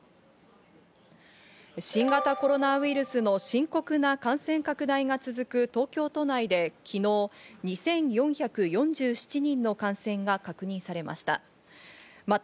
新型コロナウイルスの深刻な感染拡大が続く東京都内で昨日、２４４７人の感染が確認されました。